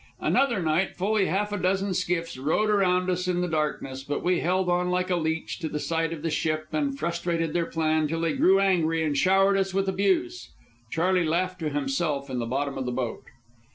Another night, fully half a dozen skiffs rowed around us in the darkness, but we held on like a leech to the side of the ship and frustrated their plan till they grew angry and showered us with abuse. Charley laughed to himself in the bottom of the boat.